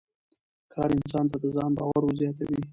کار انسان ته د ځان باور ور زیاتوي